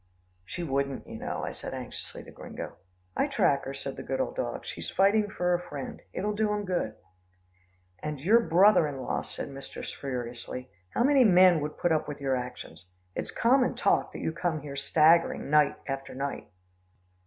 "She wouldn't, you know," I said anxiously to Gringo. "I track her," said the good old dog. "She's fighting for her friend. It'll do him good." "And your brother in law," said mistress furiously. "How many men would put up with your actions? It's common talk, that you come home here staggering, night after night."